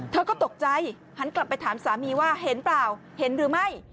เธอก็ตกใจหันกลับไปถามสามีว่าเห็นเปล่าเห็นหรือไม่